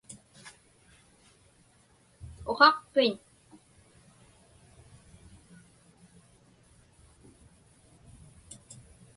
Uqaqpiñ?